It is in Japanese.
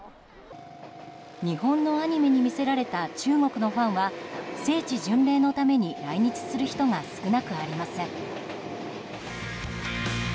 日本のアニメに魅せられた中国のファンは聖地巡礼のために来日する人が少なくありません。